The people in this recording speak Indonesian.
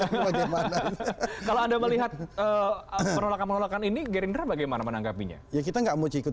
anda melihat menolakkan menolakkan ini gerindra bagaimana menanggapinya ya kita enggak mau cikut